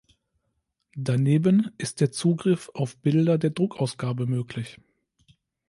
Daneben ist der Zugriff auf Bilder der Druckausgabe möglich.